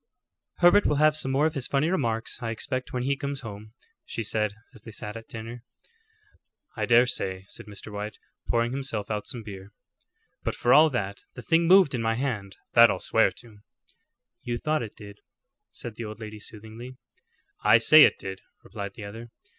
"Herbert will have some more of his funny remarks, I expect, when he comes home," she said, as they sat at dinner. "I dare say," said Mr. White, pouring himself out some beer; "but for all that, the thing moved in my hand; that I'll swear to." "You thought it did," said the old lady soothingly. "I say it did," replied the other.